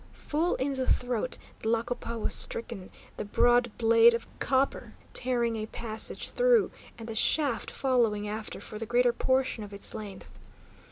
Full in the throat Tlacopa was stricken, the broad blade of copper tearing a passage through, and the shaft following after for the greater portion of its length.